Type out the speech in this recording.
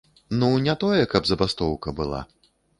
Ну, не тое, каб забастоўка была.